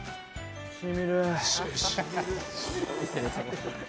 しみる。